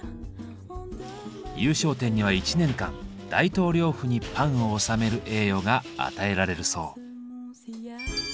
優勝店には１年間大統領府にパンを納める栄誉が与えられるそう。